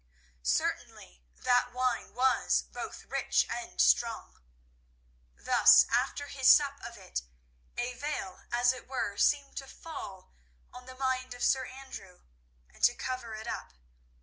Certainly that wine was both rich and strong. Thus, after his sup of it, a veil as it were seemed to fall on the mind of Sir Andrew and to cover it up.